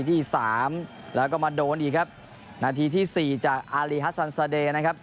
ที่สามแล้วก็มาโดนอีกครับนาทีที่สี่จากอารีฮัสซันซาเดย์นะครับ